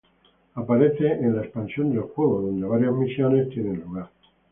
Aparece en la expansión del juego, donde varias misiones tienen lugar.